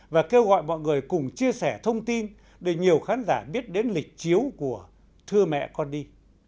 và kêu gọi mọi người cùng chia sẻ thông tin để nhiều khán giả biết đến lịch chiếu của thưa mẹ con đi